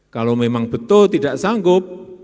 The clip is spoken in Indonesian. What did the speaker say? kalau memang betul tidak sanggup